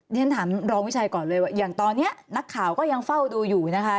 เรียนถามรองวิชัยก่อนเลยว่าอย่างตอนนี้นักข่าวก็ยังเฝ้าดูอยู่นะคะ